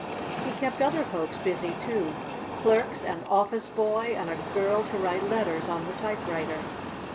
He kept other folks busy, too clerks and office boy and a girl to write letters on the typewriter.